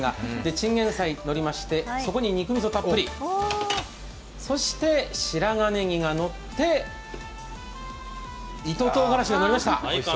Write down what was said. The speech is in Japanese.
チンゲンサイがのりまして、そこに肉みそたっぷり、そこに白髪ネギがのって糸とうがらしものりました。